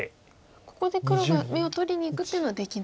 ここで黒が眼を取りにいくっていうのはできない？